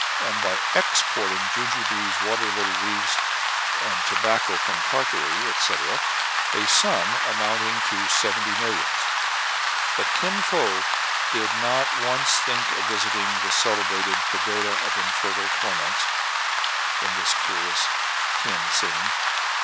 and by exporting jujubes, water lily leaves, and tobacco from Tartary, etc. — a sum amounting to seventy millions. But Kin Fo did not once think of visit ing the celebrated Pagoda of Infernal Torments in this curious Tien Sing.